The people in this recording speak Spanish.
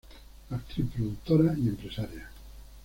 Actriz, productora y empresaria.